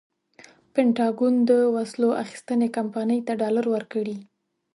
پنټاګون د وسلو اخیستنې کمپنۍ ته ډالر ورکړي.